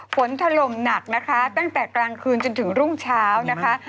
ฝนถล่มหนักนะคะตั้งแต่กลางคืนจนถึงรุ่งเช้านะคะ